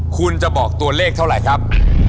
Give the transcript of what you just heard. คุณจะบอกตัวเลขเท่าไหร่ครับ